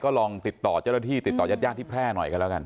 ลองติดต่อเจ้าหน้าที่ติดต่อยาดที่แพร่หน่อยกันแล้วกัน